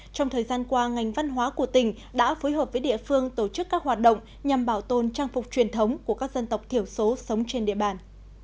trong thời gian qua ngành văn hóa của tỉnh đã phối hợp với địa phương tổ chức các hoạt động nhằm bảo tồn trang phục truyền thống của các dân tộc thiểu số sống trên địa bàn